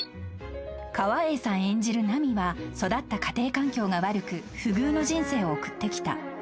［川栄さん演じるナミは育った家庭環境が悪く不遇の人生を送ってきた］